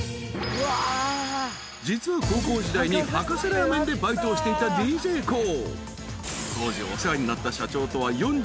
［実は高校時代に博士ラーメンでバイトをしていたＤＪＫＯＯ］